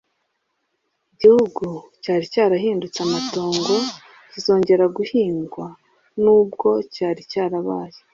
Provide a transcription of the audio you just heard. igihugu cyari cyarahindutse amatongo kizongera guhingwa nubwo cyari cyarabaye